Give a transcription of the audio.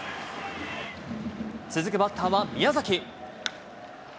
続くバッターは宮崎。